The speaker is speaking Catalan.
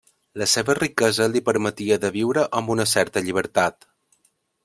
La seva riquesa li permetia de viure amb una certa llibertat.